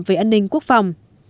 về an ninh quốc phòng